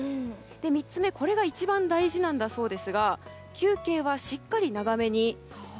３つ目、これが一番大事なんだそうですが休憩はしっかり長めに。